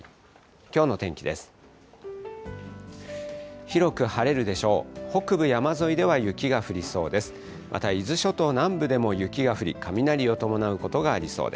きょうの天気です。